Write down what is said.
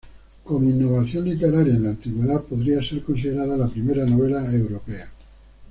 Como innovación literaria en la Antigüedad, podría ser considerada la primera novela europea.